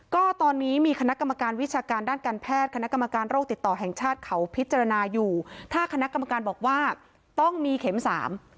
ก็ตอนนี้มีคณะกรรมการวิชาการด้านการแพทย์คณะกรรมการโรคติดต่อแห่งชาติเขาพิจารณาอยู่ถ้าคณะกรรมการบอกว่าต้องมีเข็มสาม